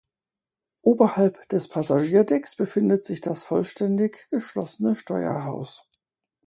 Oberhalb des Passagierdecks befindet sich das vollständig geschlossene Steuerhaus.